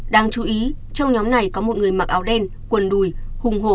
đáng chú ý trong nhóm này có một người mặc áo đen quần đùi hùng hồ